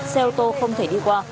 xe ô tô không thể đi qua